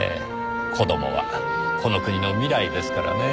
子供はこの国の未来ですからねぇ。